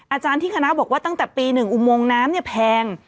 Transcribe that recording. อาจารย์ที่คณะบอกว่าตั้งแต่ปี๑อุโมงน้ำแพง